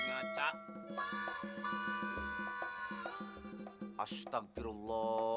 kan gue jadi sedih